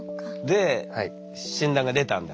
で診断が出たんだ。